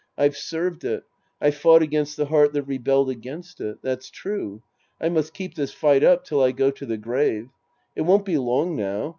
I've served it. I'^e fought against the heart that rebelled against it. That's true. I must keep this fight up till I go to the grave. It won't be long now.